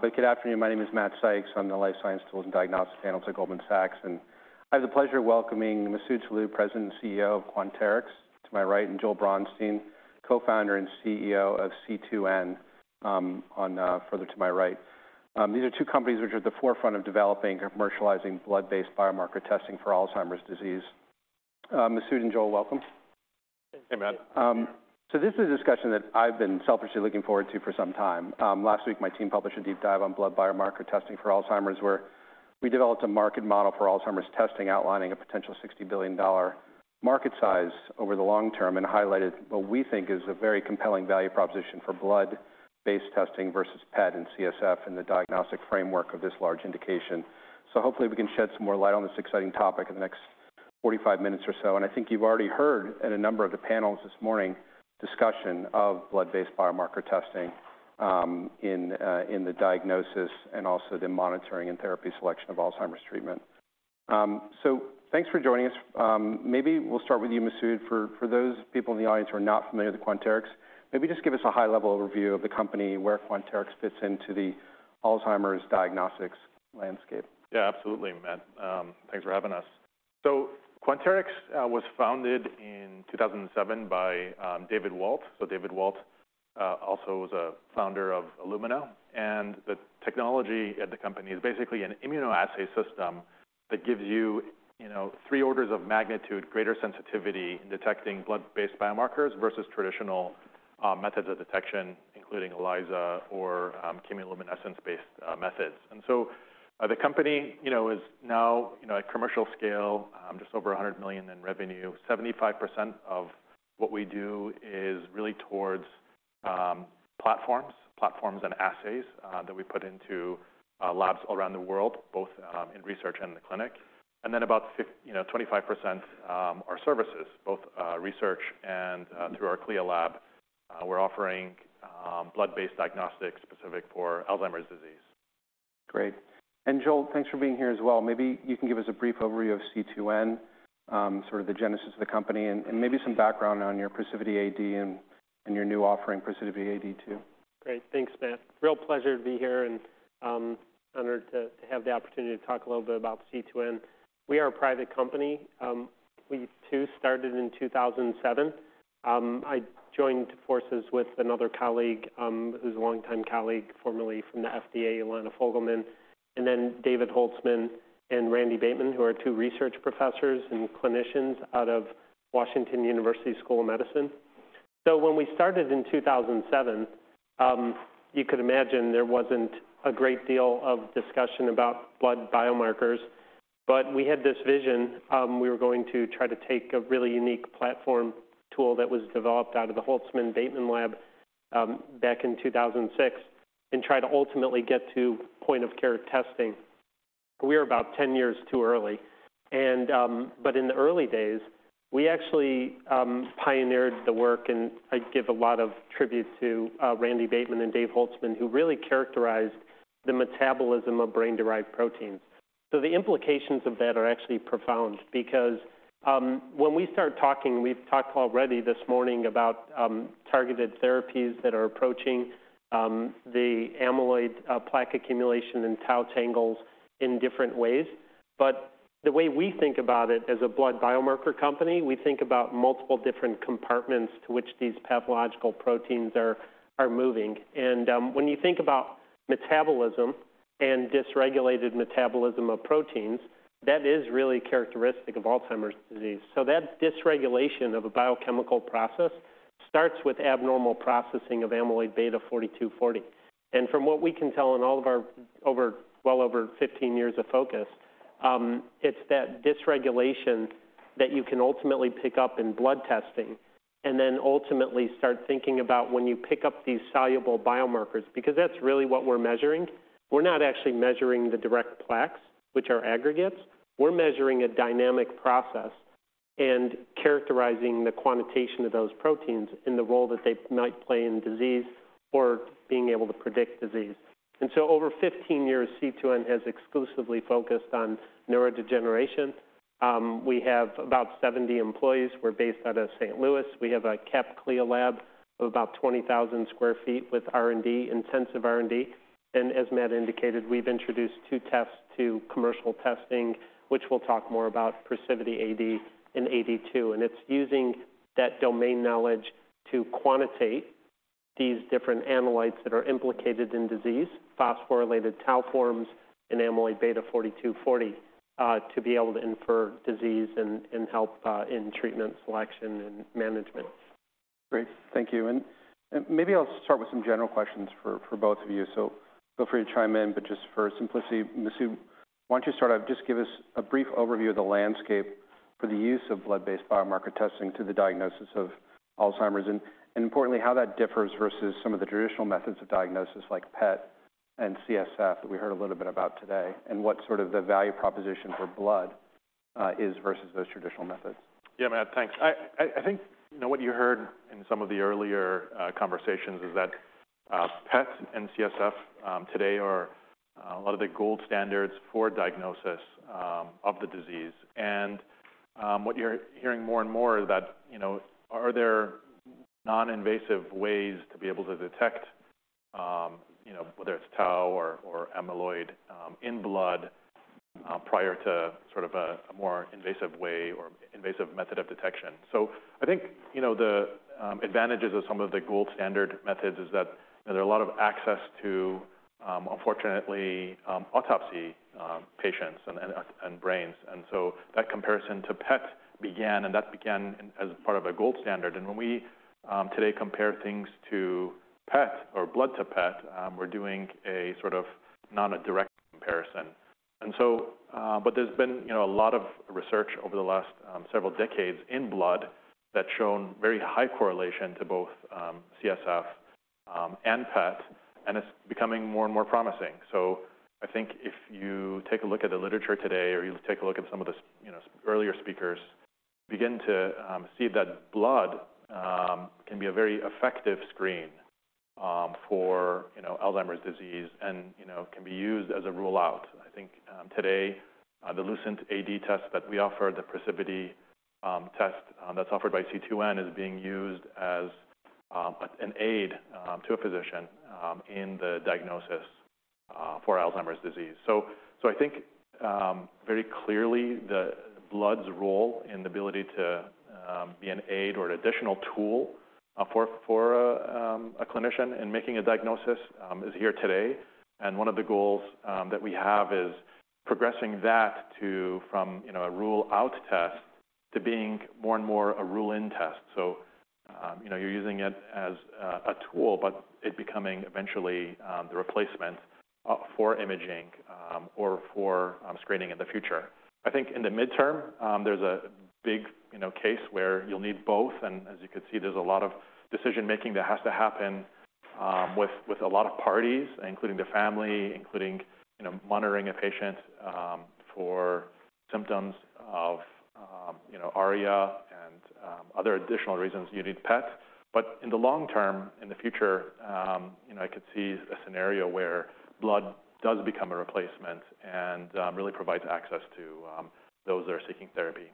But good afternoon. My name is Matt Sykes. I'm the Life Science Tools and Diagnostics Analyst at Goldman Sachs, and I have the pleasure of welcoming Masoud Toloue, President and CEO of Quanterix, to my right, and Joel Braunstein, Co-Founder and CEO of C2N, on, further to my right. These are two companies which are at the forefront of developing or commercializing blood-based biomarker testing for Alzheimer's disease. Masoud and Joel, welcome. Hey, Matt. Hey. This is a discussion that I've been selfishly looking forward to for some time. Last week, my team published a deep dive on blood biomarker testing for Alzheimer's, where we developed a market model for Alzheimer's testing, outlining a potential $60 billion market size over the long term, and highlighted what we think is a very compelling value proposition for blood-based testing versus PET and CSF in the diagnostic framework of this large indication. Hopefully, we can shed some more light on this exciting topic in the next 45 minutes or so, and I think you've already heard in a number of the panels this morning discussion of blood-based biomarker testing in the diagnosis and also the monitoring and therapy selection of Alzheimer's treatment. Thanks for joining us. Maybe we'll start with you, Masoud. For those people in the audience who are not familiar with Quanterix, maybe just give us a high-level overview of the company, where Quanterix fits into the Alzheimer's diagnostics landscape. Yeah, absolutely, Matt. Thanks for having us. So Quanterix was founded in 2007 by David Walt. So David Walt also was a founder of Illumina, and the technology at the company is basically an immunoassay system that gives you, you know, three orders of magnitude greater sensitivity in detecting blood-based biomarkers versus traditional methods of detection, including ELISA or chemiluminescence-based methods. And so the company, you know, is now, you know, at commercial scale, just over $100 million in revenue. 75% of what we do is really towards platforms, platforms and assays that we put into labs around the world, both in research and the clinic. And then, you know, 25% are services, both research and through our CLIA lab. We're offering blood-based diagnostics specific for Alzheimer's disease. Great. And Joel, thanks for being here as well. Maybe you can give us a brief overview of C2N, sort of the genesis of the company, and, and maybe some background on your PrecivityAD and, and your new offering, PrecivityAD2. Great. Thanks, Matt. Real pleasure to be here and honored to have the opportunity to talk a little bit about C2N. We are a private company. We, too, started in 2007. I joined forces with another colleague, who's a longtime colleague, formerly from the FDA, Ilana Fogelman, and then David Holtzman and Randall Bateman, who are two research professors and clinicians out of Washington University School of Medicine. When we started in 2007, you could imagine there wasn't a great deal of discussion about blood biomarkers, but we had this vision. We were going to try to take a really unique platform tool that was developed out of the Holtzman-Bateman lab, back in 2006, and try to ultimately get to point-of-care testing. We were about 10 years too early, and... But in the early days, we actually pioneered the work, and I give a lot of tribute to Randall Bateman and David Holtzman, who really characterized the metabolism of brain-derived proteins. So the implications of that are actually profound because when we start talking, we've talked already this morning about targeted therapies that are approaching the amyloid plaque accumulation and tau tangles in different ways. But the way we think about it as a blood biomarker company, we think about multiple different compartments to which these pathological proteins are moving. And when you think about metabolism and dysregulated metabolism of proteins, that is really characteristic of Alzheimer's disease. So that dysregulation of a biochemical process starts with abnormal processing of amyloid beta 42/40. From what we can tell in all of our over, well over 15 years of focus, it's that dysregulation that you can ultimately pick up in blood testing and then ultimately start thinking about when you pick up these soluble biomarkers, because that's really what we're measuring. We're not actually measuring the direct plaques, which are aggregates. We're measuring a dynamic process and characterizing the quantitation of those proteins in the role that they might play in disease or being able to predict disease. And so, over 15 years, C2N has exclusively focused on neurodegeneration. We have about 70 employees. We're based out of St. Louis. We have a CAP CLIA lab of about 20,000 sqft with R&D, intensive R&D. And as Matt indicated, we've introduced two tests to commercial testing, which we'll talk more about, PrecivityAD and PrecivityAD2, and it's using that domain knowledge to quantitate these different analytes that are implicated in disease, phosphorylated tau forms and amyloid beta 42/40, to be able to infer disease and help in treatment selection and management. Great. Thank you. And maybe I'll start with some general questions for both of you, so feel free to chime in. But just for simplicity, Masoud, why don't you start out? Just give us a brief overview of the landscape for the use of blood-based biomarker testing to the diagnosis of Alzheimer's, and importantly, how that differs versus some of the traditional methods of diagnosis, like PET and CSF, that we heard a little bit about today, and what sort of the value proposition for blood is versus those traditional methods. Yeah, Matt, thanks. I think, you know, what you heard in some of the earlier conversations is that PET and CSF today are a lot of the gold standards for diagnosis of the disease. And what you're hearing more and more is that, you know, are there non-invasive ways to be able to detect, you know, whether it's tau or amyloid in blood prior to sort of a more invasive way or invasive method of detection? So I think, you know, the advantages of some of the gold standard methods is that there are a lot of access to, unfortunately, autopsy patients and brains. And so that comparison to PET began, and that began as part of a gold standard. And when we today compare things to PET or blood to PET, we're doing a sort of not a direct comparison. And so, but there's been, you know, a lot of research over the last several decades in blood that's shown very high correlation to both CSF and PET, and it's becoming more and more promising. So I think if you take a look at the literature today or you take a look at some of the, you know, earlier speakers begin to see that blood can be a very effective screen for, you know, Alzheimer's disease and, you know, can be used as a rule-out. I think, today, the LucentAD test that we offer, the PrecivityAD test, that's offered by C2N, is being used as, an aid, to a physician, in the diagnosis, for Alzheimer's disease. So, I think, very clearly, the blood's role in the ability to, be an aid or an additional tool, for a clinician in making a diagnosis, is here today. And one of the goals, that we have is progressing that to from, you know, a rule-out test to being more and more a rule-in test. So, you know, you're using it as a tool, but it becoming eventually, the replacement, for imaging, or for screening in the future. I think in the midterm, there's a big, you know, case where you'll need both, and as you can see, there's a lot of decision-making that has to happen, with, with a lot of parties, including the family, including, you know, monitoring a patient, for symptoms of, you know, ARIA and, other additional reasons you need PET. But in the long term, in the future, you know, I could see a scenario where blood does become a replacement and, really provides access to, those that are seeking therapy.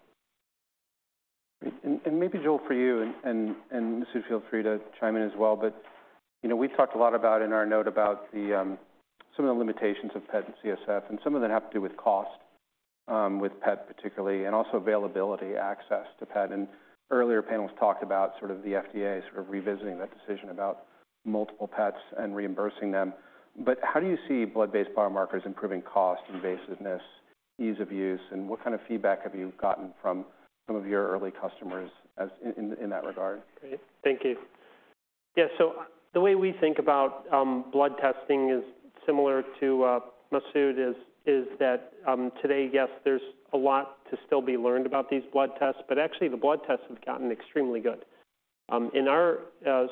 Maybe, Joel, for you, Masoud, feel free to chime in as well. But, you know, we've talked a lot about in our note about the some of the limitations of PET and CSF, and some of them have to do with cost, with PET particularly, and also availability, access to PET. And earlier panels talked about sort of the FDA sort of revisiting that decision about multiple PETs and reimbursing them. But how do you see blood-based biomarkers improving cost, invasiveness, ease of use, and what kind of feedback have you gotten from some of your early customers as in that regard? Great. Thank you. Yeah, so the way we think about blood testing is similar to Masoud, is that today, yes, there's a lot to still be learned about these blood tests, but actually, the blood tests have gotten extremely good. In our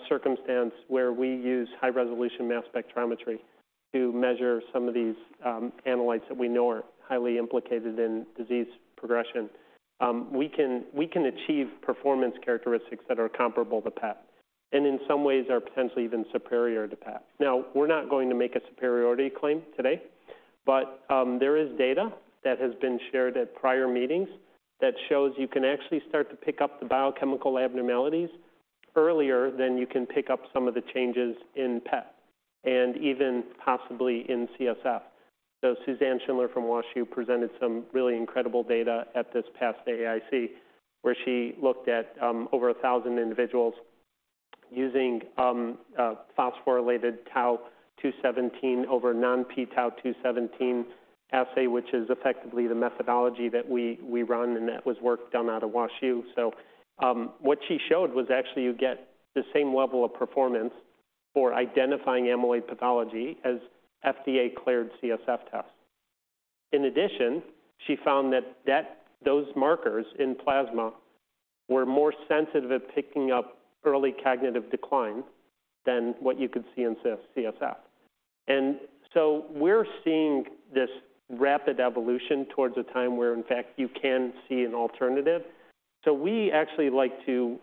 circumstance, where we use high-resolution mass spectrometry to measure some of these analytes that we know are highly implicated in disease progression, we can achieve performance characteristics that are comparable to PET and in some ways are potentially even superior to PET. Now, we're not going to make a superiority claim today, but there is data that has been shared at prior meetings that shows you can actually start to pick up the biochemical abnormalities earlier than you can pick up some of the changes in PET and even possibly in CSF. So Suzanne Schindler from WashU presented some really incredible data at this past AAIC, where she looked at over 1,000 individuals using a phosphorylated tau 217 over non-p-tau 217 assay, which is effectively the methodology that we run, and that was work done out of WashU. So what she showed was actually you get the same level of performance for identifying amyloid pathology as FDA-cleared CSF tests. In addition, she found that those markers in plasma were more sensitive at picking up early cognitive decline than what you could see in CSF. And so we're seeing this rapid evolution towards a time where, in fact, you can see an alternative. So we actually like to...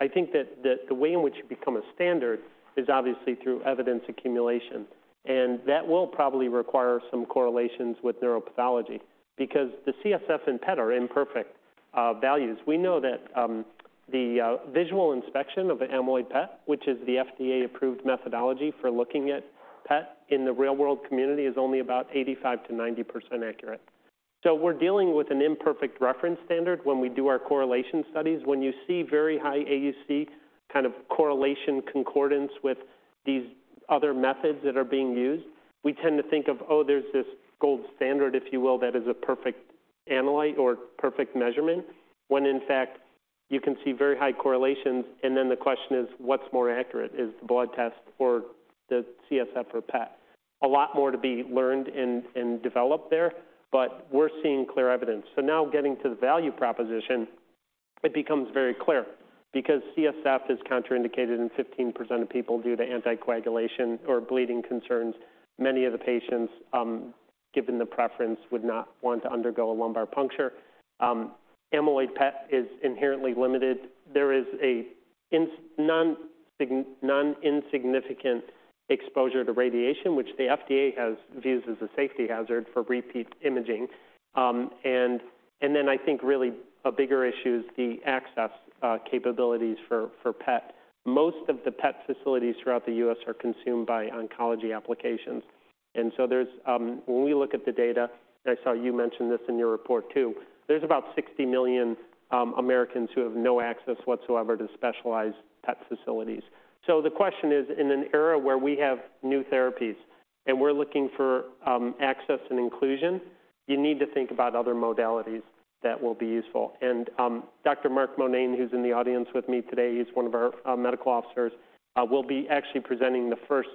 I think that, that the way in which you become a standard is obviously through evidence accumulation, and that will probably require some correlations with neuropathology because the CSF and PET are imperfect values. We know that the visual inspection of the amyloid PET, which is the FDA-approved methodology for looking at PET in the real-world community, is only about 85%-90% accurate. So we're dealing with an imperfect reference standard when we do our correlation studies. When you see very high AUC, kind of correlation concordance with these other methods that are being used, we tend to think of, "Oh, there's this gold standard," if you will, that is a perfect analyte or perfect measurement, when in fact, you can see very high correlations. And then the question is: What's more accurate, is the blood test or the CSF or PET? A lot more to be learned and developed there, but we're seeing clear evidence. So now getting to the value proposition, it becomes very clear. Because CSF is contraindicated in 15% of people due to anticoagulation or bleeding concerns, many of the patients, given the preference, would not want to undergo a lumbar puncture. Amyloid PET is inherently limited. There is a non-insignificant exposure to radiation, which the FDA views as a safety hazard for repeat imaging. I think really a bigger issue is the access capabilities for PET. Most of the PET facilities throughout the U.S. are consumed by oncology applications, and so there's. When we look at the data, and I saw you mention this in your report, too, there's about 60 million Americans who have no access whatsoever to specialized PET facilities. So the question is, in an era where we have new therapies and we're looking for, access and inclusion, you need to think about other modalities that will be useful. And, Dr. Mark Monane, who's in the audience with me today, he's one of our, medical officers, will be actually presenting the first,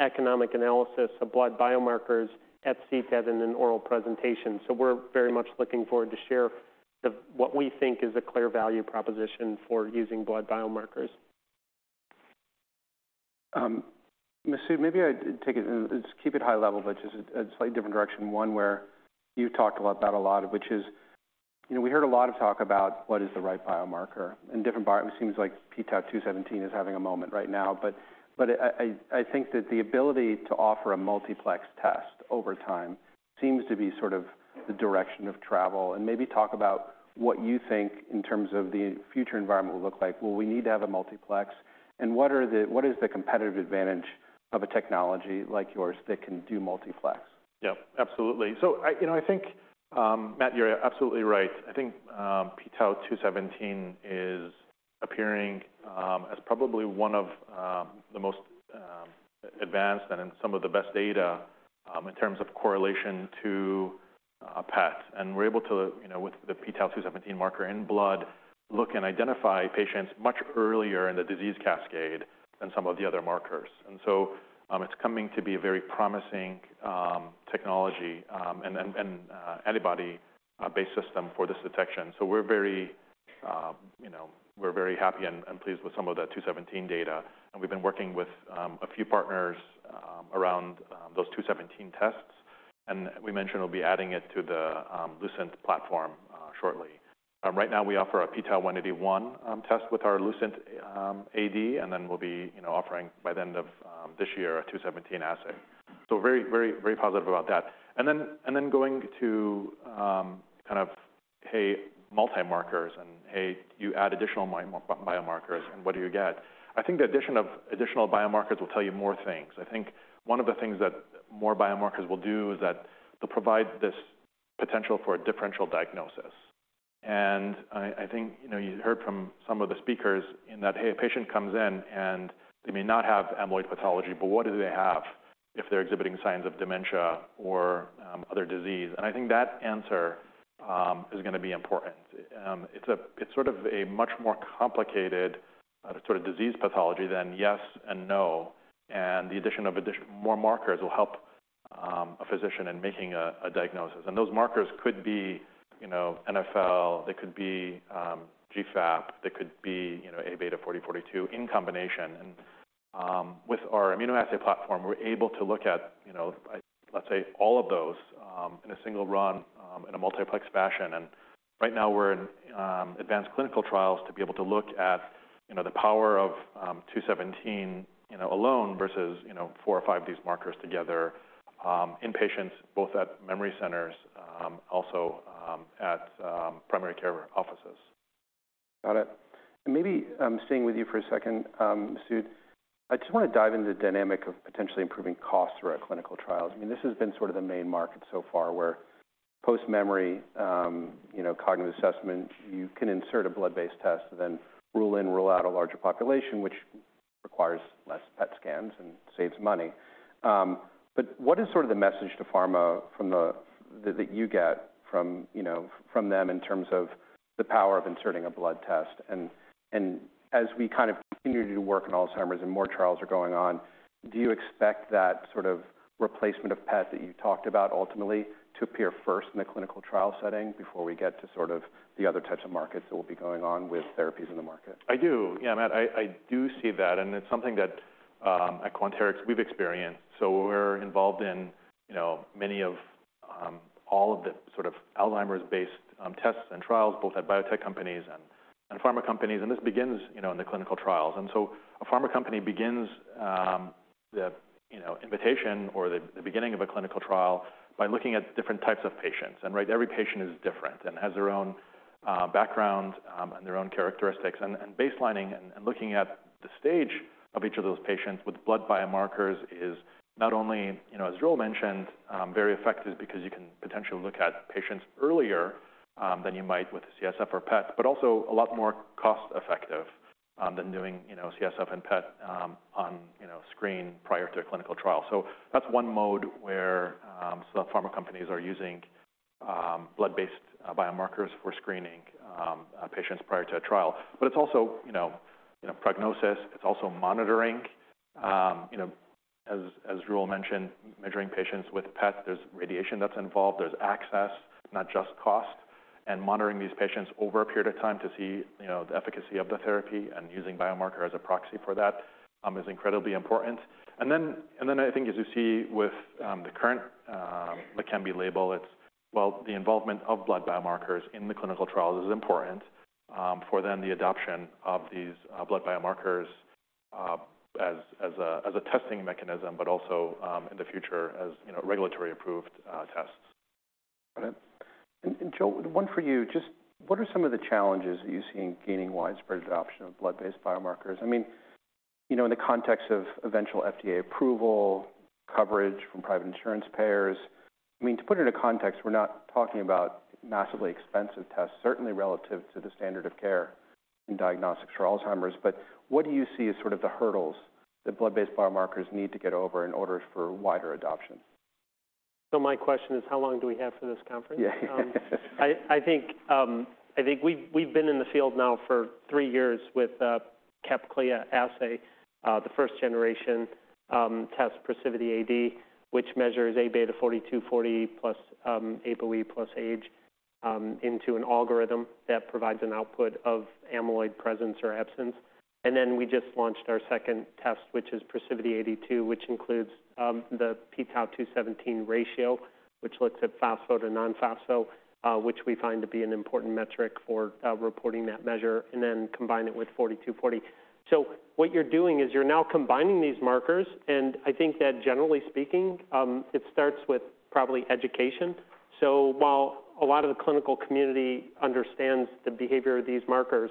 economic analysis of blood biomarkers at CTAD in an oral presentation. So we're very much looking forward to share the, what we think is a clear value proposition for using blood biomarkers. Masoud, maybe I'd take it and just keep it high level, but just a slightly different direction, one where you've talked about that a lot, which is, you know, we heard a lot of talk about what is the right biomarker and different biomarkers. It seems like p-tau 217 is having a moment right now. But I think that the ability to offer a multiplex test over time seems to be sort of the direction of travel. And maybe talk about what you think in terms of the future environment will look like. Will we need to have a multiplex? And what is the competitive advantage of a technology like yours that can do multiplex? Yep, absolutely. So I, you know, I think, Matt, you're absolutely right. I think, p-tau 217 is appearing, as probably one of, the most, advanced and some of the best data, in terms of correlation to a PET. And we're able to, you know, with the p-tau 217 marker in blood, look and identify patients much earlier in the disease cascade than some of the other markers. And so, it's coming to be a very promising, technology, and antibody based system for this detection. So we're very, you know, we're very happy and pleased with some of the 217 data, and we've been working with, a few partners, around, those 217 tests. And we mentioned we'll be adding it to the, Lucent platform, shortly. Right now we offer a p-tau 181 test with our LucentAD, and then we'll be, you know, offering by the end of this year, a 217 assay. So very, very, very positive about that. And then going to kind of, hey, multi-markers, and hey, you add additional biomarkers, and what do you get? I think the addition of additional biomarkers will tell you more things. I think one of the things that more biomarkers will do is that they'll provide this potential for a differential diagnosis. And I think, you know, you heard from some of the speakers in that, hey, a patient comes in, and they may not have amyloid pathology, but what do they have if they're exhibiting signs of dementia or other disease? And I think that answer is gonna be important. It's a, it's sort of a much more complicated sort of disease pathology than yes and no, and the addition of more markers will help a physician in making a diagnosis. And those markers could be, you know, NfL, they could be GFAP, they could be, you know, Aβ 40/42 in combination. With our immunoassay platform, we're able to look at, you know, let's say, all of those in a single run in a multiplex fashion. Right now we're in advanced clinical trials to be able to look at, you know, the power of 217, you know, alone versus, you know, four or five of these markers together in patients both at memory centers, also at primary care offices. Got it. And maybe, staying with you for a second, Sud, I just wanna dive into the dynamic of potentially improving costs throughout clinical trials. I mean, this has been sort of the main market so far, where post-memory, you know, cognitive assessment, you can insert a blood-based test and then rule in, rule out a larger population, which requires less PET scans and saves money. But what is sort of the message to pharma from that you get from, you know, from them in terms of the power of inserting a blood test? And as we kind of continue to work on Alzheimer's and more trials are going on, do you expect that sort of replacement of PET, that you talked about ultimately, to appear first in the clinical trial setting before we get to sort of the other types of markets that will be going on with therapies in the market? I do. Yeah, Matt, I do see that, and it's something that at Quanterix we've experienced. So we're involved in, you know, many of all of the sort of Alzheimer's-based tests and trials, both at biotech companies and pharma companies, and this begins, you know, in the clinical trials. And so a pharma company begins the invitation or the beginning of a clinical trial by looking at different types of patients, and right, every patient is different and has their own background and their own characteristics. Baselining and looking at the stage of each of those patients with blood biomarkers is not only, you know, as Joel mentioned, very effective because you can potentially look at patients earlier than you might with CSF or PET, but also a lot more cost-effective than doing, you know, CSF and PET on screen prior to a clinical trial. So that's one mode where some pharma companies are using blood-based biomarkers for screening patients prior to a trial. But it's also, you know, you know, prognosis, it's also monitoring. You know, as Joel mentioned, measuring patients with PET, there's radiation that's involved, there's access, not just cost. and monitoring these patients over a period of time to see, you know, the efficacy of the therapy and using biomarker as a proxy for that, is incredibly important. And then I think as you see with the current Leqembi label, it's, well, the involvement of blood biomarkers in the clinical trials is important for then the adoption of these blood biomarkers as a testing mechanism, but also in the future, as you know, regulatory approved tests. Got it. And Joel, one for you, just what are some of the challenges that you see in gaining widespread adoption of blood-based biomarkers? I mean, you know, in the context of eventual FDA approval, coverage from private insurance payers. I mean, to put it into context, we're not talking about massively expensive tests, certainly relative to the standard of care in diagnostics for Alzheimer's. But what do you see as sort of the hurdles that blood-based biomarkers need to get over in order for wider adoption? My question is: how long do we have for this conference? Yeah. I think we've been in the field now for three years with CAP CLIA assay, the first generation test PrecivityAD, which measures Aβ 42/40 plus APOE plus age into an algorithm that provides an output of amyloid presence or absence. Then we just launched our second test, which is PrecivityAD2, which includes the p-tau 217 ratio, which looks at phospho to non-phospho, which we find to be an important metric for reporting that measure, and then combine it with 42/40. So what you're doing is you're now combining these markers, and I think that generally speaking, it starts with probably education. So while a lot of the clinical community understands the behavior of these markers,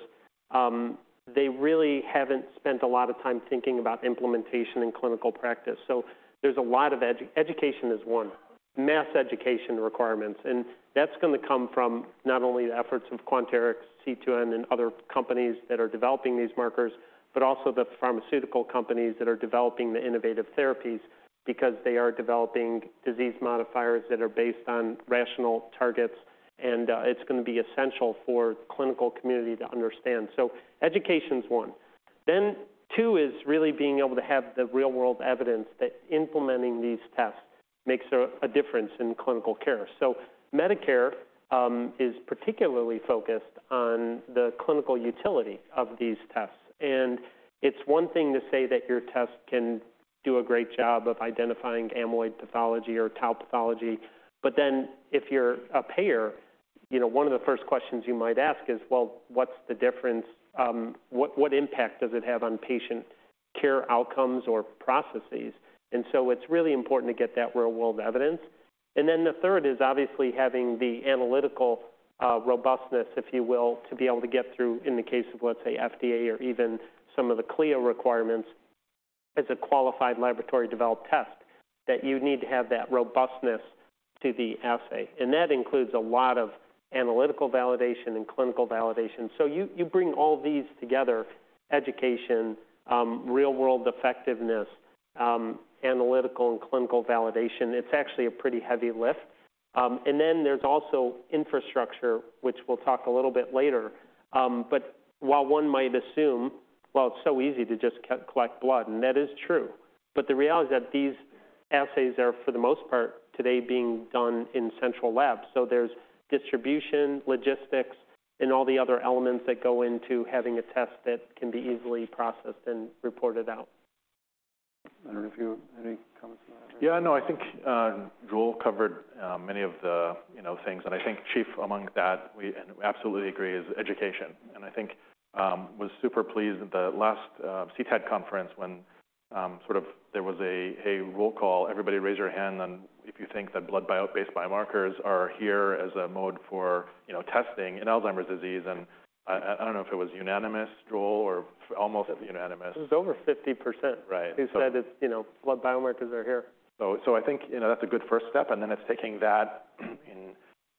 they really haven't spent a lot of time thinking about implementation and clinical practice. So there's a lot of education is one, mass education requirements, and that's gonna come from not only the efforts of Quanterix, C2N, and other companies that are developing these markers, but also the pharmaceutical companies that are developing the innovative therapies, because they are developing disease modifiers that are based on rational targets, and it's gonna be essential for clinical community to understand. So education's one. Then two is really being able to have the real-world evidence that implementing these tests makes a difference in clinical care. So Medicare is particularly focused on the clinical utility of these tests, and it's one thing to say that your test can do a great job of identifying amyloid pathology or tau pathology. But then, if you're a payer, you know, one of the first questions you might ask is, "Well, what's the difference? What impact does it have on patient care outcomes or processes?" And so it's really important to get that real-world evidence. And then the third is obviously having the analytical robustness, if you will, to be able to get through, in the case of, let's say, FDA or even some of the CLIA requirements, as a qualified laboratory-developed test, that you need to have that robustness to the assay. And that includes a lot of analytical validation and clinical validation. So you bring all these together: education, real-world effectiveness, analytical and clinical validation. It's actually a pretty heavy lift. And then there's also infrastructure, which we'll talk a little bit later. But while one might assume, well, it's so easy to just collect blood, and that is true. But the reality is that these assays are, for the most part, today being done in central labs, so there's distribution, logistics, and all the other elements that go into having a test that can be easily processed and reported out. I don't know if you have any comments on that? Yeah, no, I think, Joel covered many of the, you know, things, and I think chief among that, we, and absolutely agree, is education. And I think, was super pleased at the last, CTAD conference when, sort of there was a roll call, "Everybody raise your hand, and if you think that blood-based biomarkers are here as a mode for, you know, testing in Alzheimer's disease." And I, I don't know if it was unanimous, Joel, or almost unanimous. It was over 50%- Right. Who said it's, you know, blood biomarkers are here. So, I think, you know, that's a good first step, and then it's taking that and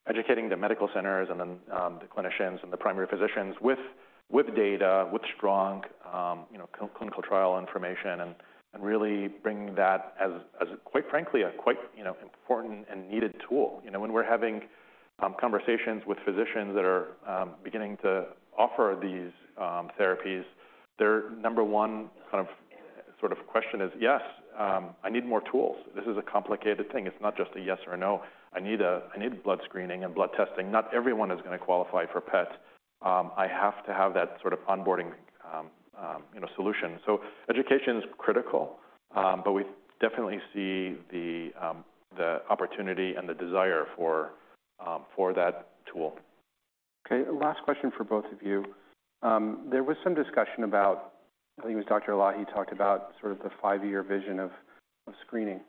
educating the medical centers and then, the clinicians and the primary physicians with, data, with strong, you know, clinical trial information, and really bringing that as, quite frankly, a quite, you know, important and needed tool. You know, when we're having, conversations with physicians that are, beginning to offer these, therapies, their number one kind of, sort of question is: "Yes, I need more tools. This is a complicated thing. It's not just a yes or a no. I need a, I need blood screening and blood testing. Not everyone is gonna qualify for PET. I have to have that sort of onboarding, you know, solution. So education is critical, but we definitely see the opportunity and the desire for that tool. Okay, last question for both of you. There was some discussion about, I think it was Dr. Lah talked about sort of the five-year vision of screening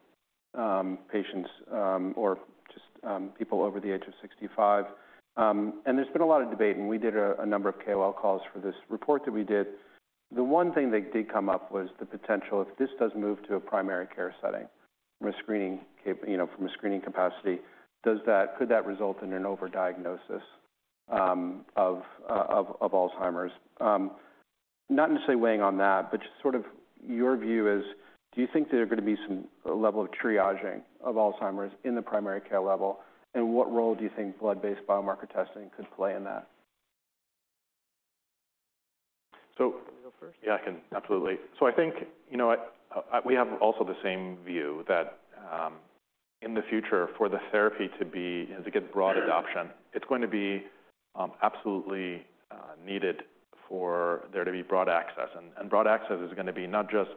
patients or just people over the age of 65. There's been a lot of debate, and we did a number of KOL calls for this report that we did. The one thing that did come up was the potential, if this does move to a primary care setting from a screening you know, from a screening capacity, could that result in an overdiagnosis of Alzheimer's? Not necessarily weighing on that, but just sort of your view is, do you think there are gonna be some a level of triaging of Alzheimer's in the primary care level? What role do you think blood-based biomarker testing could play in that? Yeah, I can. Absolutely. So I think, you know what? We have also the same view that in the future, for the therapy to be, you know, to get broad adoption, it's going to be absolutely needed for there to be broad access. And broad access is gonna be not just,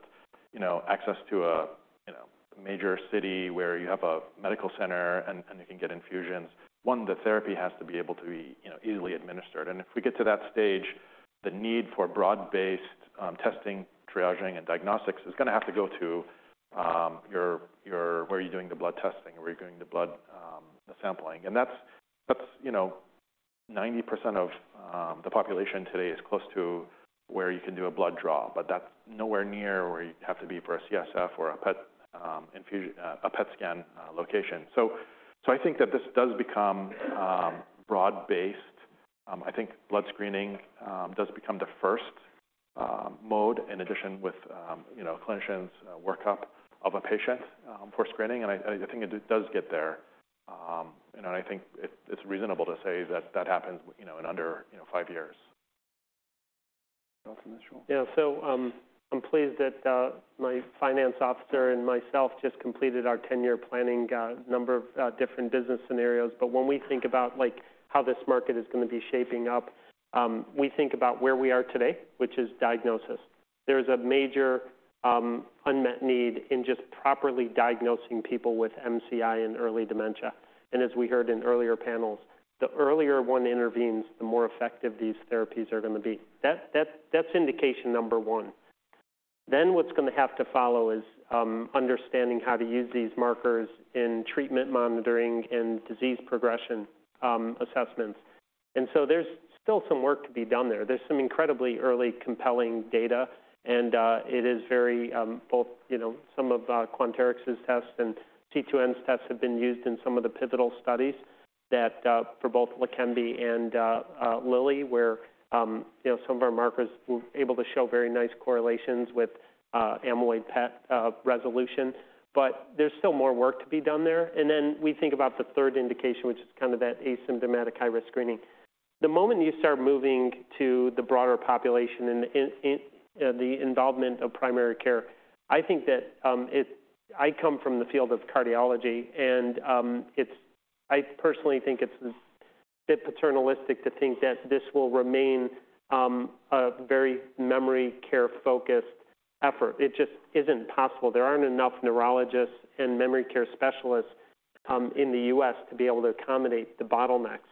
you know, access to a, you know, major city where you have a medical center and you can get infusions. One, the therapy has to be able to be, you know, easily administered. And if we get to that stage, the need for broad-based testing, triaging, and diagnostics is gonna have to go to where you're doing the blood testing or where you're doing the blood, the sampling. That's you know, 90% of the population today is close to where you can do a blood draw, but that's nowhere near where you have to be for a CSF or a PET, a PET scan location. I think that this does become broad-based. I think blood screening does become the first mode in addition with you know, clinicians' workup of a patient for screening, and I think it does get there. I think it's reasonable to say that that happens you know, in under you know, five years. Thoughts on this, Joel? Yeah. So, I'm pleased that my finance officer and myself just completed our 10-year planning, number of different business scenarios. But when we think about, like, how this market is gonna be shaping up, we think about where we are today, which is diagnosis. There is a major unmet need in just properly diagnosing people with MCI and early dementia. And as we heard in earlier panels, the earlier one intervenes, the more effective these therapies are gonna be. That, that's indication number one. Then, what's gonna have to follow is, understanding how to use these markers in treatment monitoring and disease progression assessments. And so there's still some work to be done there. There's some incredibly early compelling data, and, it is very, both... You know, some of Quanterix's tests and C2N's tests have been used in some of the pivotal studies that for both Leqembi and Lilly, where you know, some of our markers were able to show very nice correlations with amyloid PET resolution. But there's still more work to be done there. And then we think about the third indication, which is kind of that asymptomatic high-risk screening. The moment you start moving to the broader population and the involvement of primary care, I think that I come from the field of cardiology, and it's. I personally think it's a bit paternalistic to think that this will remain a very memory care-focused effort. It just isn't possible. There aren't enough neurologists and memory care specialists in the U.S. to be able to accommodate the bottlenecks.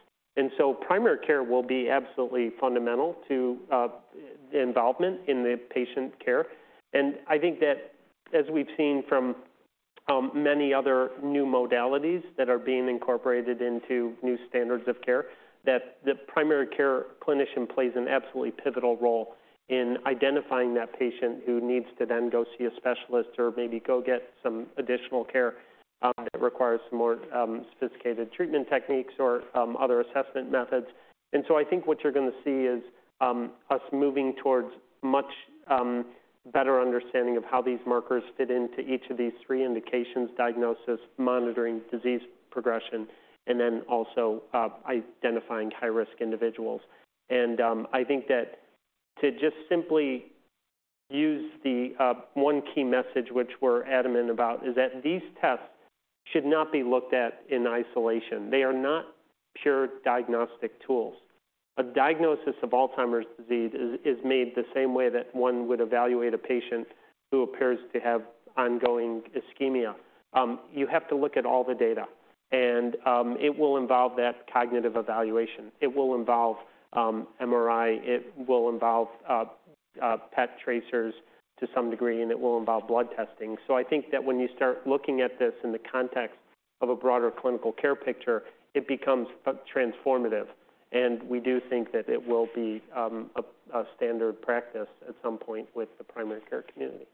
Primary care will be absolutely fundamental to involvement in the patient care. I think that as we've seen from many other new modalities that are being incorporated into new standards of care, that the primary care clinician plays an absolutely pivotal role in identifying that patient who needs to then go see a specialist or maybe go get some additional care that requires more sophisticated treatment techniques or other assessment methods. I think what you're gonna see is us moving towards much better understanding of how these markers fit into each of these three indications: diagnosis, monitoring, disease progression, and then also identifying high-risk individuals. I think that to just simply use the one key message, which we're adamant about, is that these tests should not be looked at in isolation. They are not pure diagnostic tools. A diagnosis of Alzheimer's disease is made the same way that one would evaluate a patient who appears to have ongoing ischemia. You have to look at all the data, and it will involve that cognitive evaluation. It will involve MRI, it will involve PET tracers to some degree, and it will involve blood testing. So I think that when you start looking at this in the context of a broader clinical care picture, it becomes transformative, and we do think that it will be a standard practice at some point with the primary care community.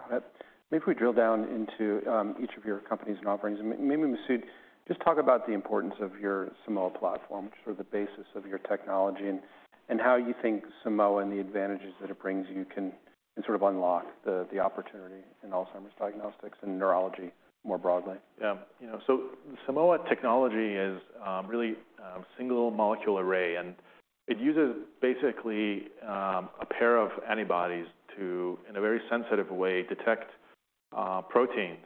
All right. Maybe if we drill down into each of your companies and offerings, and maybe, Masoud, just talk about the importance of your Simoa platform, sort of the basis of your technology, and how you think Simoa and the advantages that it brings you can sort of unlock the opportunity in Alzheimer's diagnostics and neurology more broadly. Yeah. You know, so Simoa technology is really single-molecule array, and it uses basically a pair of antibodies to, in a very sensitive way, detect proteins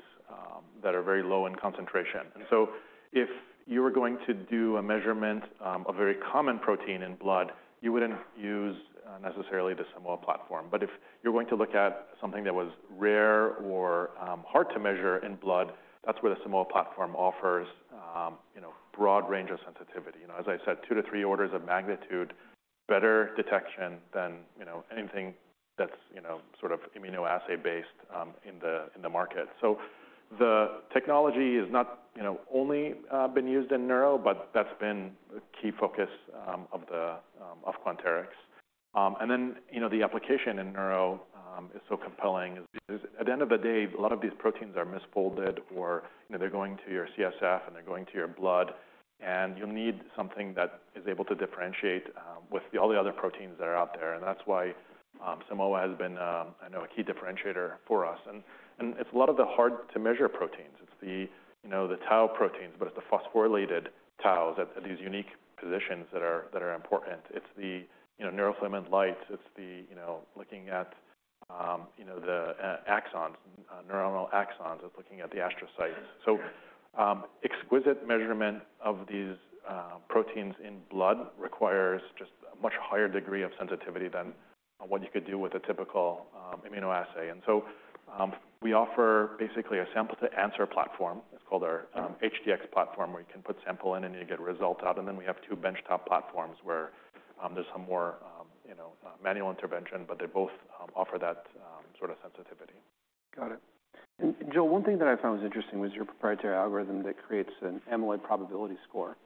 that are very low in concentration. Yeah. And so if you were going to do a measurement, a very common protein in blood, you wouldn't use necessarily the Simoa platform. But if you're going to look at something that was rare or, hard to measure in blood, that's where the Simoa platform offers, you know, broad range of sensitivity. You know, as I said, two to three orders of magnitude, better detection than, you know, anything that's, you know, sort of immunoassay-based, in the, in the market. So the technology is not, you know, only, been used in neuro, but that's been a key focus, of the, of Quanterix. And then, you know, the application in neuro, is so compelling. At the end of the day, a lot of these proteins are misfolded or, you know, they're going to your CSF, and they're going to your blood, and you'll need something that is able to differentiate, with all the other proteins that are out there. And that's why Simoa has been, I know, a key differentiator for us. And it's a lot of the hard-to-measure proteins. It's the, you know, the tau proteins, but it's the phosphorylated tau at these unique positions that are important. It's the, you know, neurofilament lights. It's the, you know, looking at the axons, neuronal axons, looking at the astrocytes. So, exquisite measurement of these proteins in blood requires just a much higher degree of sensitivity than what you could do with a typical immunoassay. And so, we offer basically a sample-to-answer platform. It's called our HDX platform, where you can put sample in and you get results out. And then we have two benchtop platforms where there's some more, you know, manual intervention, but they both offer that sort of sensitivity. Got it. Joel, one thing that I found was interesting was your proprietary algorithm that creates an amyloid probability score,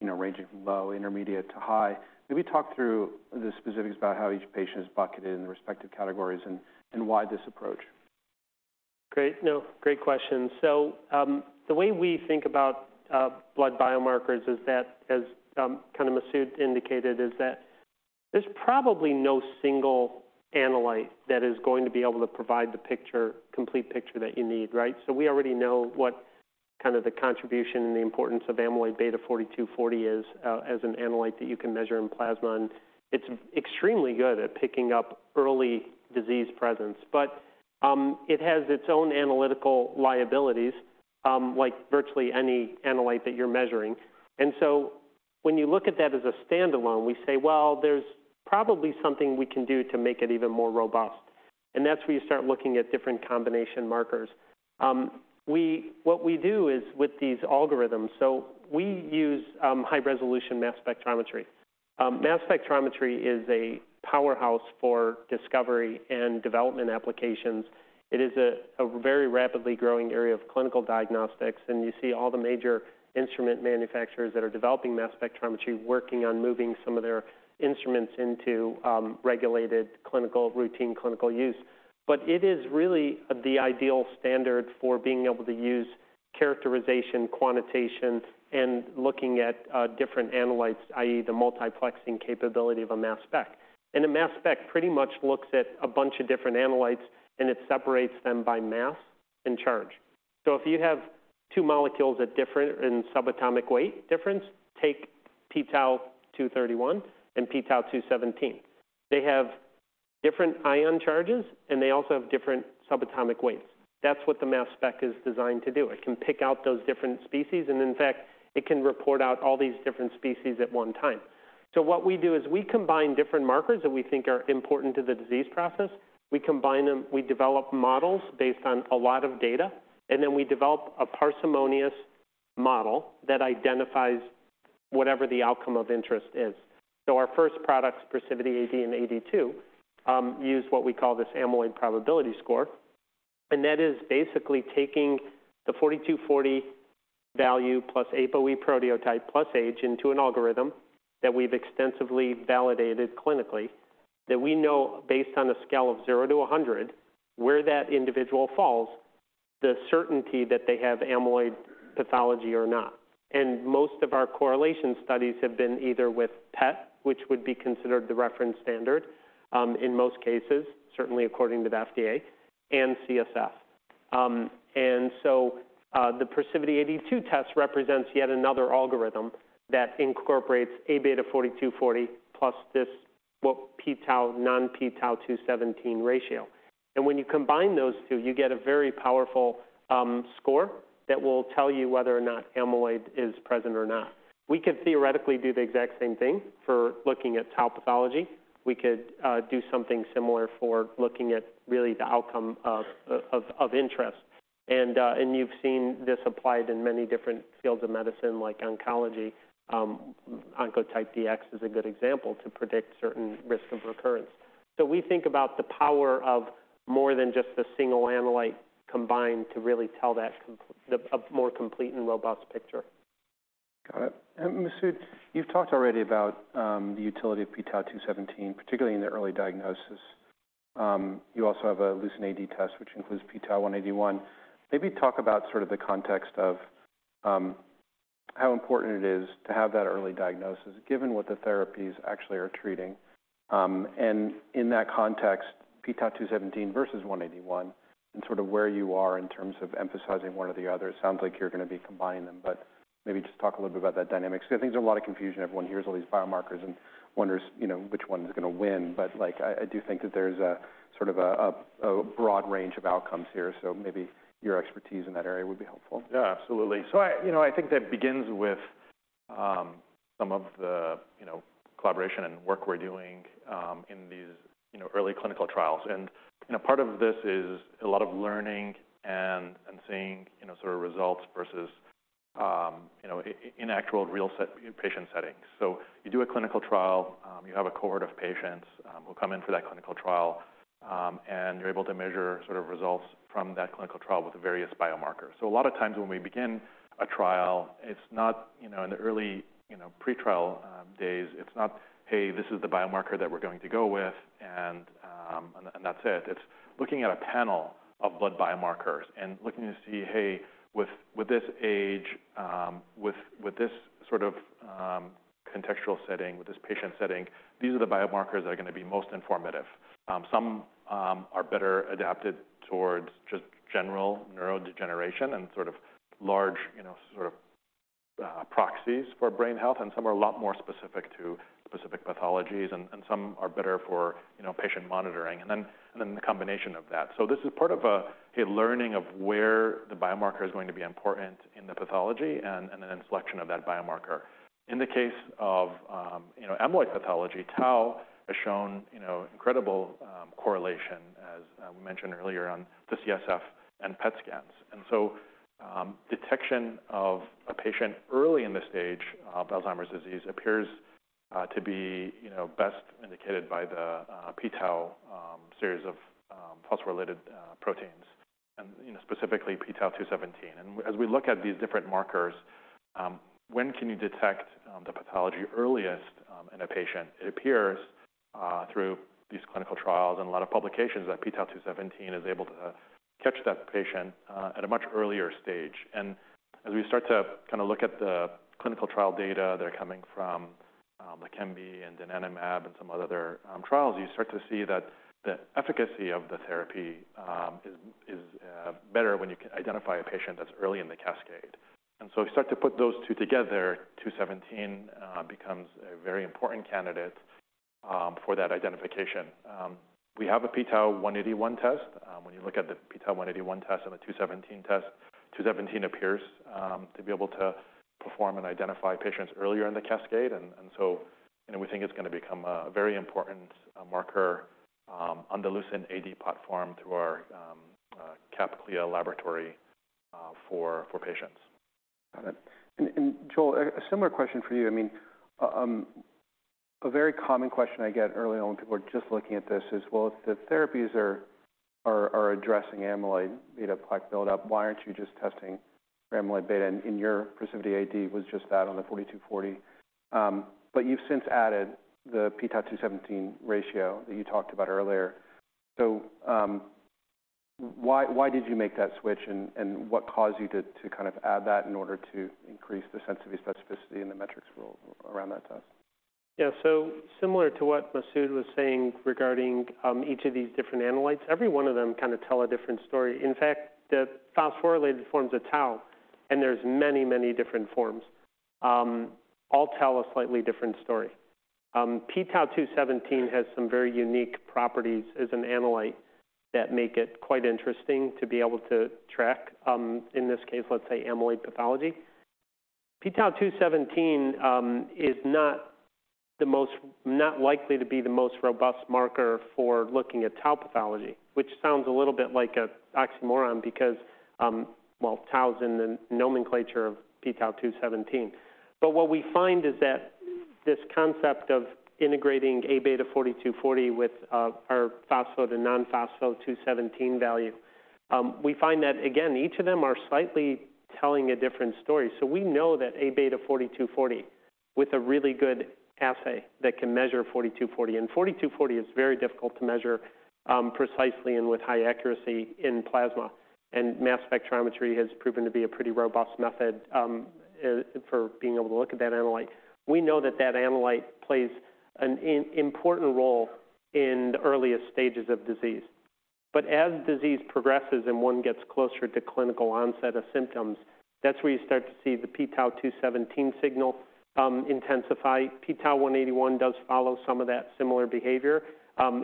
you know, ranging from low, intermediate, to high. Can we talk through the specifics about how each patient is bucketed in the respective categories and why this approach? Great. No, great question. So, the way we think about, blood biomarkers is that, as, kind of Masoud indicated, is that there's probably no single analyte that is going to be able to provide the complete picture that you need, right? So we already know what kind of the contribution and the importance of amyloid beta 42/40 is, as an analyte that you can measure in plasma, and it's extremely good at picking up early disease presence. But, it has its own analytical liabilities, like virtually any analyte that you're measuring. And so when you look at that as a standalone, we say, "Well, there's probably something we can do to make it even more robust." And that's where you start looking at different combination markers. What we do is with these algorithms, so we use high-resolution mass spectrometry. Mass spectrometry is a powerhouse for discovery and development applications. It is a very rapidly growing area of clinical diagnostics, and you see all the major instrument manufacturers that are developing mass spectrometry, working on moving some of their instruments into regulated clinical, routine clinical use. But it is really the ideal standard for being able to use characterization, quantitation, and looking at different analytes, i.e., the multiplexing capability of a mass spec. And a mass spec pretty much looks at a bunch of different analytes, and it separates them by mass and charge. So if you have two molecules at different, in subatomic weight difference, take p-tau 231 and p-tau 217. They have different ion charges, and they also have different subatomic weights. That's what the mass spec is designed to do. It can pick out those different species, and in fact, it can report out all these different species at one time. So what we do is we combine different markers that we think are important to the disease process. We combine them, we develop models based on a lot of data, and then we develop a parsimonious model that identifies whatever the outcome of interest is. So our first products, PrecivityAD and AD2, use what we call this amyloid probability score, and that is basically taking the 42/40 value plus ApoE proteotype plus age into an algorithm that we've extensively validated clinically, that we know based on a scale of zero to 100, where that individual falls, the certainty that they have amyloid pathology or not. Most of our correlation studies have been either with PET, which would be considered the reference standard, in most cases, certainly according to the FDA and CSF. So, the PrecivityAD2 test represents yet another algorithm that incorporates Aβ42/40, plus this, well, p-tau/non-p-tau 217 ratio. And when you combine those two, you get a very powerful score that will tell you whether or not amyloid is present or not. We could theoretically do the exact same thing for looking at tau pathology. We could do something similar for looking at really the outcome of interest. And you've seen this applied in many different fields of medicine, like oncology. Oncotype DX is a good example to predict certain risk of recurrence. So we think about the power of more than just the single analyte combined to really tell a more complete and robust picture. Got it. And, Masoud, you've talked already about the utility of p-tau 217, particularly in the early diagnosis. You also have a LucentAD test, which includes p-tau 181. Maybe talk about sort of the context of how important it is to have that early diagnosis, given what the therapies actually are treating. And in that context, p-tau 217 versus 181, and sort of where you are in terms of emphasizing one or the other. It sounds like you're gonna be combining them, but maybe just talk a little bit about that dynamic. Because I think there's a lot of confusion. Everyone hears all these biomarkers and wonders, you know, which one is gonna win. But, like, I do think that there's a sort of a broad range of outcomes here, so maybe your expertise in that area would be helpful. Yeah, absolutely. So I, you know, I think that begins with some of the, you know, collaboration and work we're doing in these, you know, early clinical trials. And, you know, part of this is a lot of learning and seeing, you know, sort of results versus you know in actual, real in patient settings. So you do a clinical trial, you have a cohort of patients who come in for that clinical trial, and you're able to measure sort of results from that clinical trial with various biomarkers. So a lot of times when we begin a trial, it's not, you know, in the early, you know, pretrial days, it's not, "Hey, this is the biomarker that we're going to go with," and that's it. It's looking at a panel of blood biomarkers and looking to see, hey, with this age, with this sort of contextual setting, with this patient setting, these are the biomarkers that are gonna be most informative. Some are better adapted towards just general neurodegeneration and sort of large, you know, proxies for brain health, and some are a lot more specific to specific pathologies, and some are better for, you know, patient monitoring, and then the combination of that. So this is part of a learning of where the biomarker is going to be important in the pathology and then selection of that biomarker. In the case of, you know, amyloid pathology, tau has shown, you know, incredible correlation, as we mentioned earlier, on the CSF and PET scans. And so, detection of a patient early in the stage of Alzheimer's disease appears, to be, you know, best indicated by the, p-tau, series of, phosphorylated, proteins and, you know, specifically p-tau 217. And as we look at these different markers, when can you detect, the pathology earliest, in a patient? It appears, through these clinical trials and a lot of publications that p-tau 217 is able to catch that patient, at a much earlier stage. And as we start to kinda look at the clinical trial data that are coming from, Leqembi and donanemab and some other, trials, you start to see that the efficacy of the therapy, is, is, better when you can identify a patient that's early in the cascade. We start to put those two together, 217, becomes a very important candidate for that identification. We have a p-tau 181 test. When you look at the p-tau 181 test and the 217 test, 217 appears to be able to perform and identify patients earlier in the cascade. And so, you know, we think it's gonna become a very important marker on the LucentAD platform through our CAP/CLIA laboratory for patients. Got it. And, Joel, a similar question for you. I mean, a very common question I get early on when people are just looking at this is, well, if the therapies are addressing amyloid beta plaque buildup, why aren't you just testing for amyloid beta? And your PrecivityAD was just that on the 42/40. But you've since added the p-tau 217 ratio that you talked about earlier. So, why did you make that switch, and what caused you to kind of add that in order to increase the sensitivity, specificity, and the metrics rule around that test? Yeah, so similar to what Masoud was saying regarding each of these different analytes, every one of them kind of tell a different story. In fact, the phosphorylated forms of tau, and there's many, many different forms, all tell a slightly different story. p-tau 217 has some very unique properties as an analyte that make it quite interesting to be able to track, in this case, let's say, amyloid pathology. p-tau 217 is not the most... not likely to be the most robust marker for looking at tau pathology, which sounds a little bit like a oxymoron because, well, tau is in the nomenclature of p-tau 217. But what we find is that this concept of integrating Aβ42/40 with our phospho to non-phospho 217 value, we find that, again, each of them are slightly telling a different story. So we know that Aβ42/40 with a really good assay that can measure 42/40, and 42/40 is very difficult to measure precisely and with high accuracy in plasma. And mass spectrometry has proven to be a pretty robust method for being able to look at that analyte. We know that that analyte plays an important role in the earliest stages of disease. But as disease progresses and one gets closer to clinical onset of symptoms, that's where you start to see the p-tau 217 signal intensify. p-tau 181 does follow some of that similar behavior.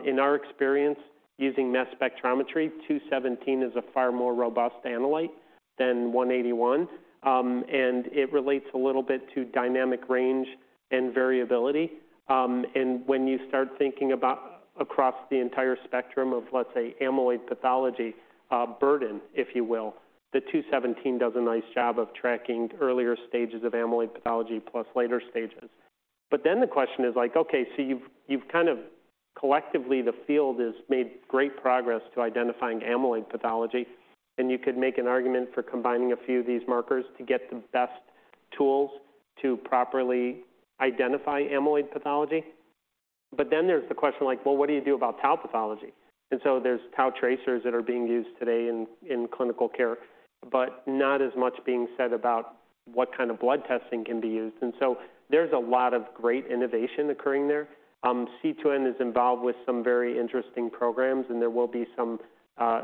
In our experience, using mass spectrometry, 217 is a far more robust analyte than 181. It relates a little bit to dynamic range and variability. When you start thinking about across the entire spectrum of, let's say, amyloid pathology, burden, if you will, the 217 does a nice job of tracking earlier stages of amyloid pathology plus later stages. But then the question is, like: Okay, so you've, you've kind of collectively, the field, has made great progress to identifying amyloid pathology, and you could make an argument for combining a few of these markers to get the best tools to properly identify amyloid pathology. But then there's the question, like: Well, what do you do about tau pathology? There's tau tracers that are being used today in clinical care, but not as much being said about what kind of blood testing can be used, and so there's a lot of great innovation occurring there. C2N is involved with some very interesting programs, and there will be some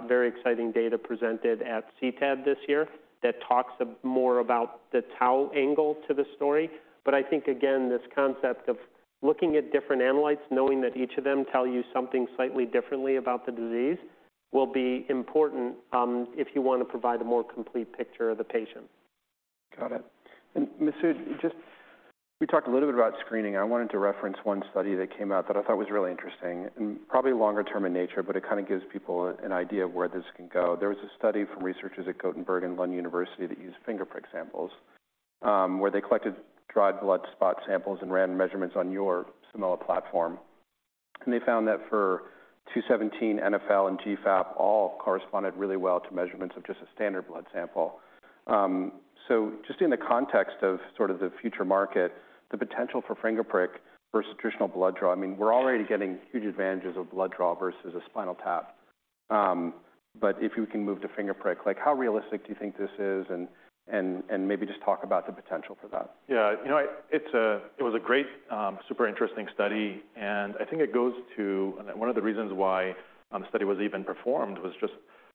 very exciting data presented at CTAD this year that talks more about the tau angle to the story. But I think, again, this concept of looking at different analytes, knowing that each of them tell you something slightly differently about the disease, will be important if you want to provide a more complete picture of the patient. Got it. And, Masoud, just... We talked a little bit about screening. I wanted to reference one study that came out that I thought was really interesting and probably longer term in nature, but it kind of gives people an idea of where this can go. There was a study from researchers at Gothenburg and Lund University that used finger prick samples, where they collected dried blood spot samples and ran measurements on your Simoa platform. And they found that for 217, NfL, and GFAP all corresponded really well to measurements of just a standard blood sample. So just in the context of sort of the future market, the potential for finger prick versus traditional blood draw, I mean, we're already getting huge advantages of blood draw versus a spinal tap. But if you can move to finger prick, like, how realistic do you think this is, and maybe just talk about the potential for that? Yeah, you know, it was a great, super interesting study, and I think it goes to... One of the reasons why the study was even performed was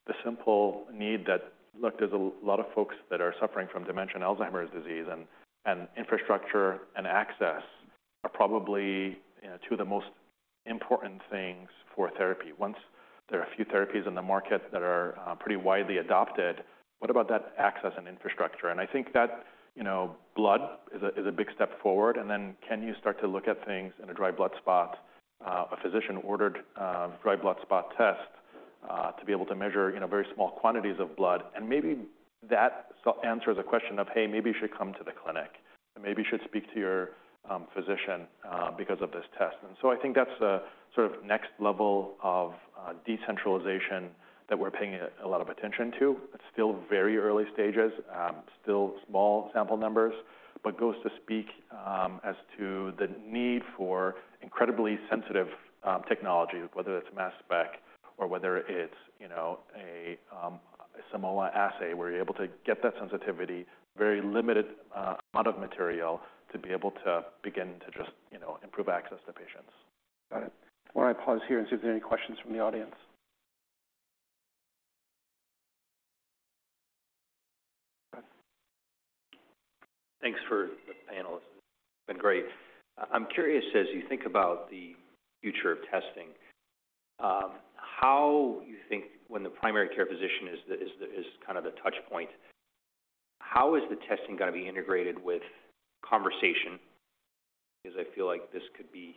the simple need that, look, there's a lot of folks that are suffering from dementia and Alzheimer's disease, and infrastructure and access are probably, you know, two of the most important things for therapy. Once there are a few therapies in the market that are pretty widely adopted, what about that access and infrastructure? And I think that, you know, blood is a big step forward, and then can you start to look at things in a dried blood spot, a physician-ordered dried blood spot test to be able to measure, you know, very small quantities of blood? And maybe that answers the question of, "Hey, maybe you should come to the clinic, and maybe you should speak to your physician because of this test." And so I think that's the sort of next level of decentralization that we're paying a lot of attention to. It's still very early stages, still small sample numbers, but goes to speak as to the need for incredibly sensitive technology, whether it's mass spec or whether it's, you know, a Simoa assay, where you're able to get that sensitivity, very limited amount of material, to be able to begin to just, you know, improve access to patients. Got it. Why don't I pause here and see if there are any questions from the audience? Thanks for the panelists. It's been great. I'm curious, as you think about the future of testing, how you think when the primary care physician is the kind of touch point, how is the testing gonna be integrated with conversation? Because I feel like this could be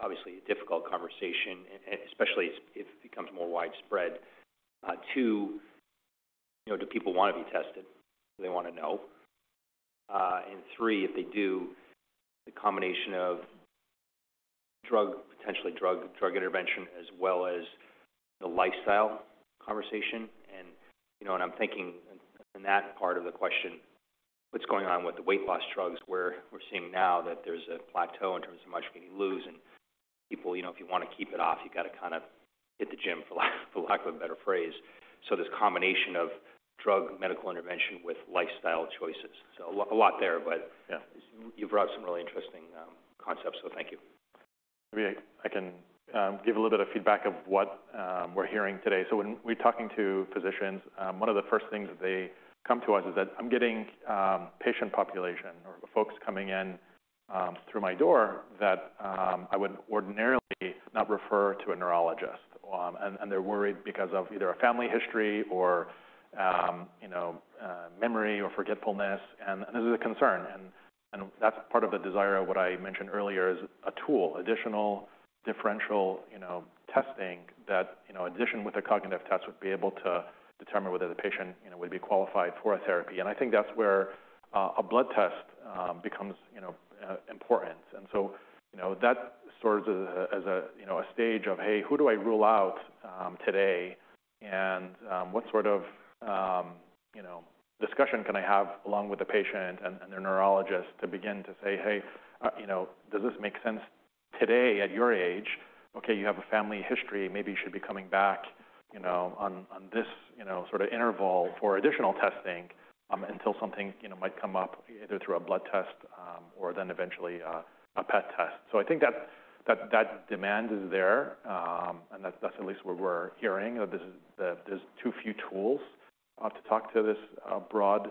obviously a difficult conversation, especially if it becomes more widespread. Two, you know, do people wanna be tested? Do they wanna know? And three, if they do, the combination of drug, potentially drug, drug intervention, as well as the lifestyle conversation. And, you know, I'm thinking in that part of the question, what's going on with the weight loss drugs, where we're seeing now that there's a plateau in terms of how much we can lose. People, you know, if you wanna keep it off, you gotta kinda hit the gym, for lack of a better phrase. So this combination of drug, medical intervention with lifestyle choices. So a lot there, but yeah, you've brought up some really interesting concepts, so thank you. Maybe I can give a little bit of feedback of what we're hearing today. So when we're talking to physicians, one of the first things that they come to us is that I'm getting patient population or folks coming in through my door that I would ordinarily not refer to a neurologist. And they're worried because of either a family history or you know memory or forgetfulness, and this is a concern, and that's part of the desire of what I mentioned earlier is a tool, additional differential you know testing that you know in addition with a cognitive test, would be able to determine whether the patient you know would be qualified for a therapy. And I think that's where a blood test becomes you know important. And so, you know, that serves as, you know, a stage of, "Hey, who do I rule out today, and what sort of, you know, discussion can I have along with the patient and, and their neurologist to begin to say, 'Hey, you know, does this make sense today at your age? Okay, you have a family history.' Maybe you should be coming back, you know, on, on this, you know, sort of interval for additional testing, until something, you know, might come up, either through a blood test, or then eventually, a PET test.'" So I think that, that, that demand is there, and that's, that's at least what we're hearing, that there's, there's too few tools, to talk to this, broad,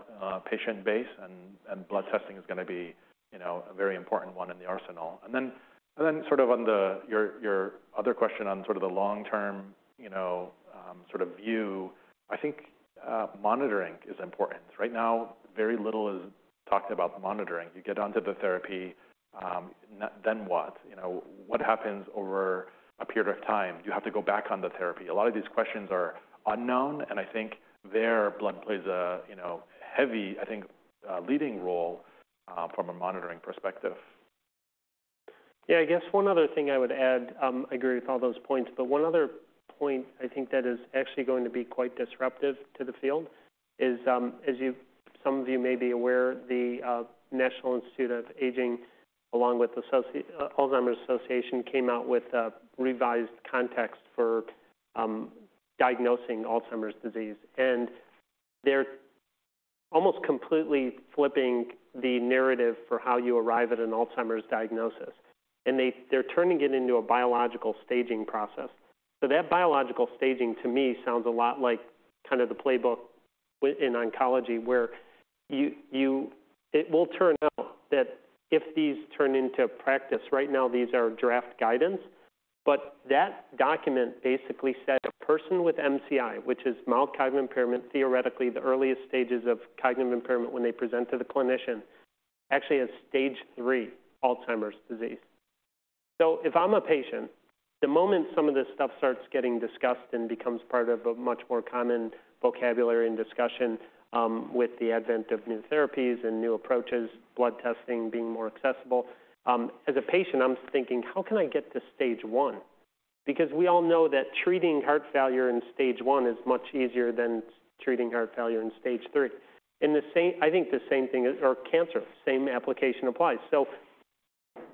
patient base, and, and blood testing is gonna be, you know, a very important one in the arsenal. And then, and then sort of on the, your, your other question on sort of the long-term, you know, sort of view, I think, monitoring is important. Right now, very little is talked about monitoring. You get onto the therapy, then what? You know, what happens over a period of time? Do you have to go back on the therapy? A lot of these questions are unknown, and I think the blood plays a, you know, heavy, I think, leading role, from a monitoring perspective. Yeah, I guess one other thing I would add. I agree with all those points, but one other point I think that is actually going to be quite disruptive to the field is, as some of you may be aware, the National Institute on Aging, along with the Alzheimer's Association, came out with a revised context for diagnosing Alzheimer's disease. And they're almost completely flipping the narrative for how you arrive at an Alzheimer's diagnosis, and they, they're turning it into a biological staging process. So that biological staging, to me, sounds a lot like kind of the playbook in oncology, where you it will turn out that if these turn into practice, right now, these are draft guidance, but that document basically said a person with MCI, which is mild cognitive impairment, theoretically, the earliest stages of cognitive impairment when they present to the clinician, actually has stage three Alzheimer's disease. So if I'm a patient, the moment some of this stuff starts getting discussed and becomes part of a much more common vocabulary and discussion, with the advent of new therapies and new approaches, blood testing being more accessible, as a patient, I'm thinking: How can I get to stage one? Because we all know that treating heart failure in stage one is much easier than treating heart failure in stage three. In the same—I think the same thing as... or cancer, same application applies. So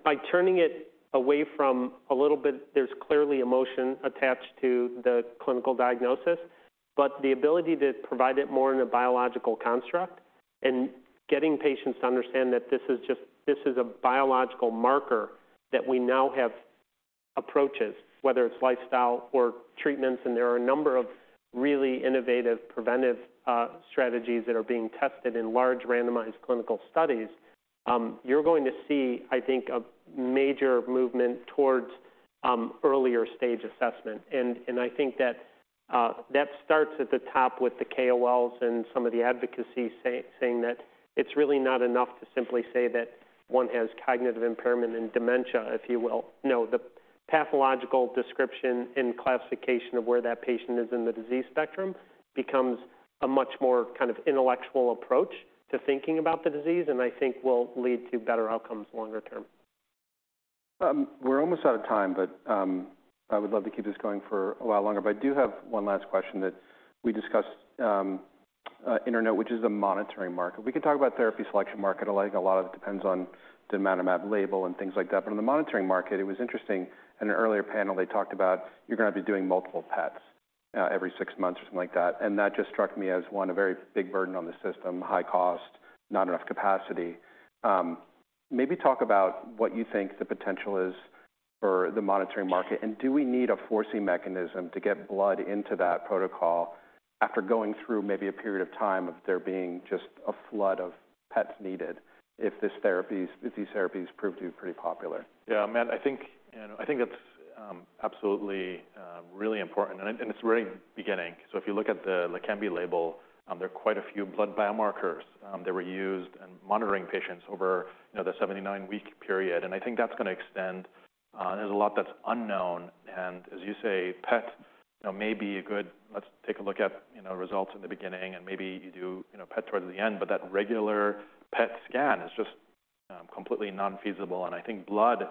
by turning it away from a little bit, there's clearly emotion attached to the clinical diagnosis, but the ability to provide it more in a biological construct... and getting patients to understand that this is just, this is a biological marker that we now have approaches, whether it's lifestyle or treatments, and there are a number of really innovative preventive strategies that are being tested in large randomized clinical studies. You're going to see, I think, a major movement towards earlier stage assessment. And I think that that starts at the top with the KOLs and some of the advocacy saying that it's really not enough to simply say that one has cognitive impairment and dementia, if you will. No, the pathological description and classification of where that patient is in the disease spectrum becomes a much more kind of intellectual approach to thinking about the disease, and I think will lead to better outcomes longer term. We're almost out of time, but I would love to keep this going for a while longer. I do have one last question that we discussed, which is the monitoring market. We can talk about therapy selection market. I think a lot of it depends on the amount of mAb label and things like that. But in the monitoring market, it was interesting. In an earlier panel, they talked about you're gonna be doing multiple PETs every six months or something like that, and that just struck me as one, a very big burden on the system, high cost, not enough capacity. Maybe talk about what you think the potential is for the monitoring market, and do we need a forcing mechanism to get blood into that protocol after going through maybe a period of time of there being just a flood of PETs needed if this therapies, if these therapies prove to be pretty popular? Yeah, Matt, I think, you know, I think that's absolutely really important, and it's really beginning. So if you look at the Leqembi label, there are quite a few blood biomarkers that were used in monitoring patients over, you know, the 79-week period, and I think that's gonna extend. There's a lot that's unknown, and as you say, PET, you know, may be a good... Let's take a look at, you know, results in the beginning, and maybe you do, you know, PET towards the end, but that regular PET scan is just completely non-feasible. And I think blood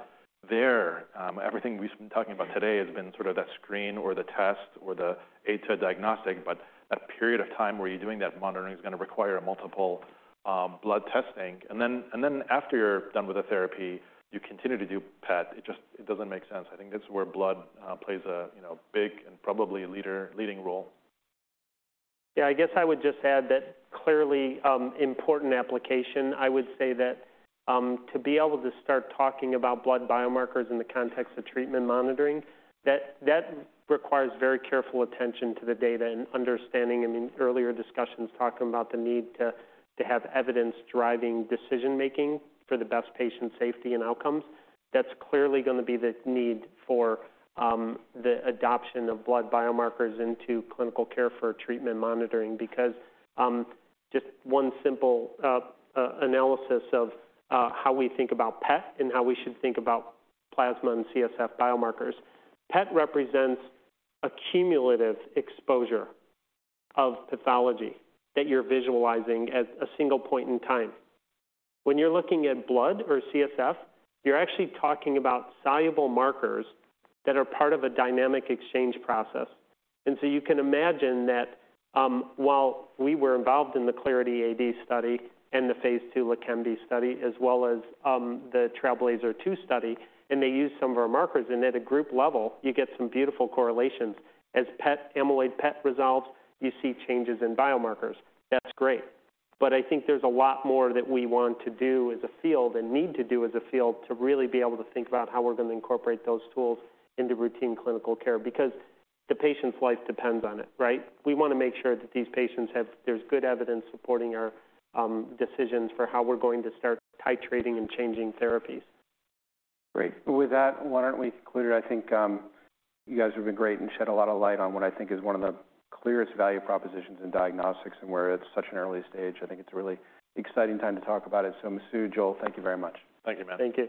there, everything we've been talking about today has been sort of that screen or the test or the aid to diagnostic, but that period of time where you're doing that monitoring is gonna require multiple blood testing. And then after you're done with the therapy, you continue to do PET. It just doesn't make sense. I think that's where blood plays a, you know, big and probably leading role. Yeah, I guess I would just add that clearly important application. I would say that to be able to start talking about blood biomarkers in the context of treatment monitoring, that requires very careful attention to the data and understanding. I mean, earlier discussions talking about the need to have evidence-driving decision-making for the best patient safety and outcomes. That's clearly gonna be the need for the adoption of blood biomarkers into clinical care for treatment monitoring. Because just one simple analysis of how we think about PET and how we should think about plasma and CSF biomarkers. PET represents a cumulative exposure of pathology that you're visualizing at a single point in time. When you're looking at blood or CSF, you're actually talking about soluble markers that are part of a dynamic exchange process. And so you can imagine that, while we were involved in the Clarity AD study and the phase II Leqembi study, as well as, the Trailblazer 2 study, and they used some of our markers, and at a group level, you get some beautiful correlations. As PET, amyloid PET resolves, you see changes in biomarkers. That's great, but I think there's a lot more that we want to do as a field and need to do as a field to really be able to think about how we're gonna incorporate those tools into routine clinical care because the patient's life depends on it, right? We wanna make sure that these patients have... There's good evidence supporting our, decisions for how we're going to start titrating and changing therapies. Great. With that, why don't we conclude? I think, you guys have been great and shed a lot of light on what I think is one of the clearest value propositions in diagnostics and where it's such an early stage. I think it's a really exciting time to talk about it. Masoud, Joel, thank you very much. Thank you, Matt. Thank you.